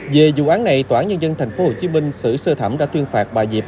về vụ án này tòa án nhân dân tp hcm xử sơ thẩm đã tuyên phạt bà diệp